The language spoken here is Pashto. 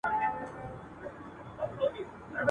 بهار به راسي خو زه به نه یم ..